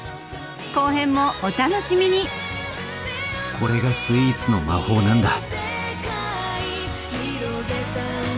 後編もお楽しみにこれがスイーツの魔法なんだ。